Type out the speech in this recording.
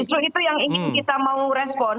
justru itu yang ingin kita mau respon